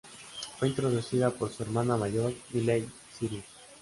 Fue introducida por su hermana mayor Miley Cyrus.